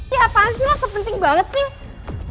ya apaan sih lo sepenting banget sih